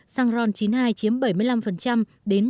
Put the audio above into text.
xăng ron chín hai chiếm bảy mươi năm đến tám mươi